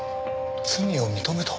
罪を認めた。